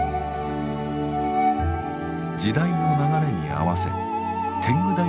時代の流れに合わせ天狗平